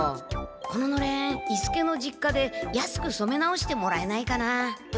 こののれん伊助の実家で安くそめ直してもらえないかな？